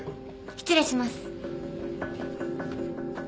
失礼します。